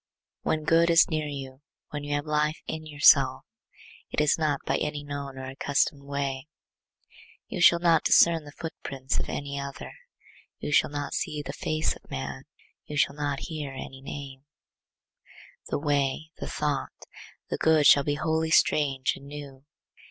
When good is near you, when you have life in yourself, it is not by any known or accustomed way; you shall not discern the footprints of any other; you shall not see the face of man; you shall not hear any name;—the way, the thought, the good shall be wholly strange and new.